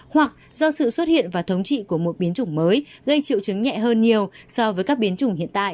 hoặc do sự xuất hiện và thống trị của một biến chủng mới gây triệu chứng nhẹ hơn nhiều so với các biến chủng hiện tại